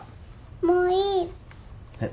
もういい。